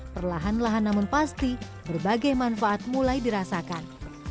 perlahan lahan namun pasti berbagai manfaat mulai dirasakan